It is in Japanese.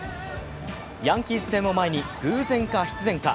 ヤンキース戦を前に偶然か必然か。